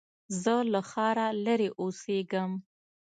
زه له ښاره لرې اوسېږم